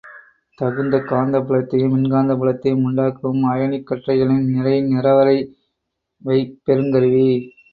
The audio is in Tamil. தகுந்த காந்தப் புலத்தையும் மின்காந்தப் புலத்தையும் உண்டாக்கவும், அயனிக் கற்றைகளின் நிறை நிறவரை வைப் பெறுங் கருவி.